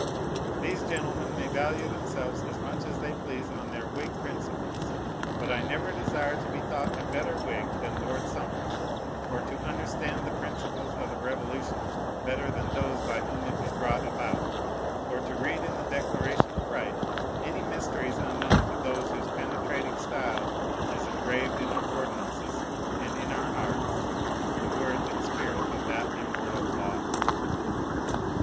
These gentlemen may value themselves as much as they please on their Whig principles; but I never desire to be thought a better Whig than Lord Somers, or to understand the principles of the Revolution better than those by whom it was brought about, or to read in the Declaration of Right any mysteries unknown to those whose penetrating style has engraved in our ordinances, and in our hearts, the words and spirit of that immortal law.